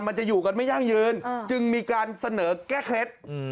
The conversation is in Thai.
มันจะอยู่กันไม่ยั่งยืนจึงมีการเสนอแก้เคล็ด